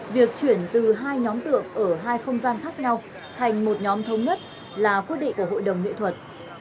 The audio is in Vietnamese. việc chuyển từ hai nhóm tượng ở hai không gian khác nhau thành một nhóm thống nhất là quyết định của hội đồng nghệ thuật